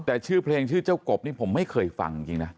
แต่ชื่อเพลงชื่อเจ้ากบนี่ผมไม่เคยฟังจริงนะ